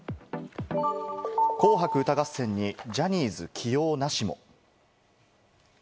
『紅白歌合戦』にジャニーズ起用なしも。